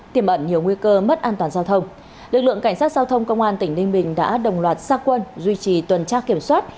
tiềm ẩn nhiều nguy cơ mất an toàn giao thông lực lượng cảnh sát giao thông công an tỉnh ninh bình đã đồng loạt xa quân duy trì tuần tra kiểm soát